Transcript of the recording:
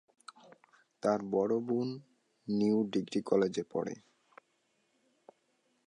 তার বড় বোন নিউ ডিগ্রি কলেজে পড়ে।